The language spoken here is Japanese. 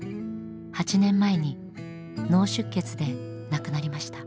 ８年前に脳出血で亡くなりました。